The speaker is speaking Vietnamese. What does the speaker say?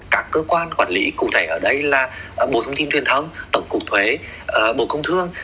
các cơ quan quản lý cụ thể ở đây là bộ thông tin truyền thông tổng cục thuế bộ công thương